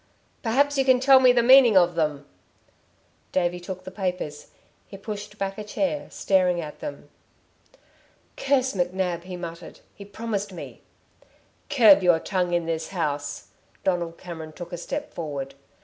"Perhaps you can tell me the meaning of them." David took the papers. He pushed back a chair, staring at them. "Curse McNab!" he muttered. "He promised me " "Curb your tongue in this house!" Donald Cameron took a step forward.